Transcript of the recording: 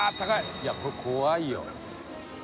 いやこれ怖いよ。